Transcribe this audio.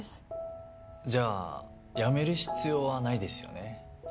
じゃあ辞める必要はないですよね？